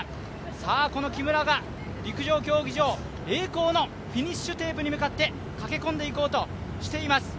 さあ、この木村が陸上競技場、栄光のフィニッシュテープに向かって駆け込んでいこうとしています。